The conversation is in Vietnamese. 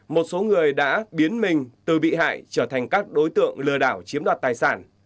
một số người đã biến mình từ bị hại trở thành các đối tượng lừa đảo chiếm đoạt tài sản